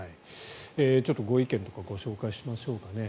ちょっとご意見とかご紹介しましょうかね。